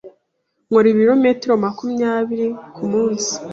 Nkora ibirometero makumyabiri kumunsi.